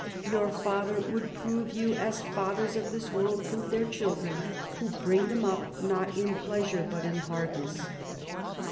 Your Father would prove you as fathers of this world prove their children, who bring them up not in pleasures but in hardness."